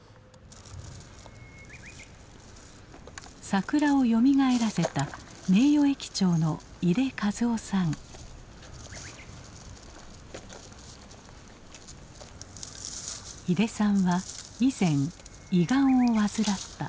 桜をよみがえらせた名誉駅長の井手さんは以前胃がんを患った。